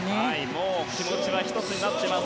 もう気持ちは一つになってます。